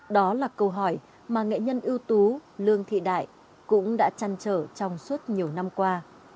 đó là câu hỏi mà nghệ nhân ưu tú lương thị đại cũng đã chăn trở trong suốt nhiều năm qua